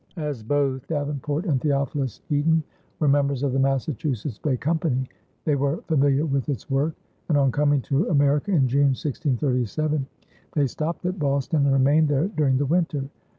As both Davenport and Theophilus Eaton were members of the Massachusetts Bay Company, they were familiar with its work; and on coming to America in June, 1637, they stopped at Boston and remained there during the winter.